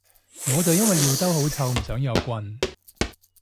我就因為尿兜好臭唔想有棍